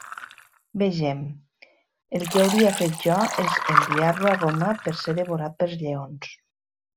Vegem: el que hauria fet jo, és d'enviar-lo a Roma per ser devorat pels lleons.